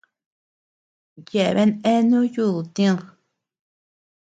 Yeabean eanu yudu tïd.